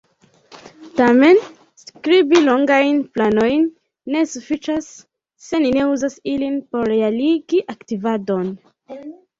Tamen, skribi longajn planojn ne sufiĉas se ni ne uzas ilin por realigi aktivadon.